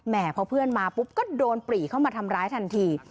พอเพื่อนมาปุ๊บก็โดนปรีเข้ามาทำร้ายทันที